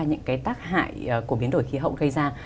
những cái tác hại của biến đổi khí hậu gây ra